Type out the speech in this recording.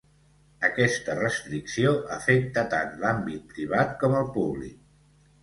Aquesta restricció afecta tant l'àmbit privat com el públic.